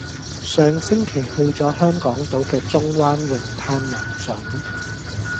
上星期去咗香港島嘅中灣泳灘游水。